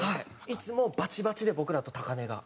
いつもバチバチで僕らとたかねが。